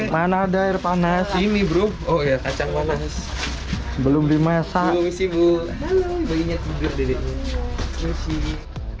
mana ada air panas ini bro oh ya kacang panas sebelum dimasak